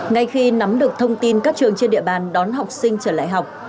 ngay khi nắm được thông tin các trường trên địa bàn đón học sinh trở lại học